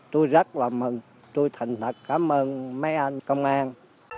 tôi rất là mừng tôi thành thật cảm ơn mấy anh công an